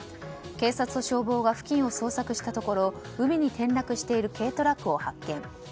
警察と消防が付近を捜索したところ海に転落している軽トラックを発見。